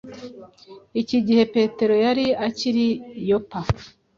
iki Igihe Petero yari akiri i Yopa,